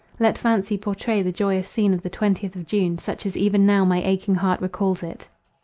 Let fancy pourtray the joyous scene of the twentieth of June, such as even now my aching heart recalls it.